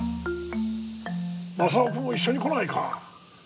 正雄君も一緒に来ないか。